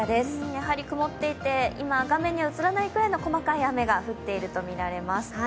やはり曇っていて、画面に映らないくらいの細かい雨が降っているとみられます。